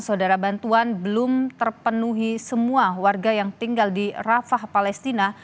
saudara bantuan belum terpenuhi semua warga yang tinggal di rafah palestina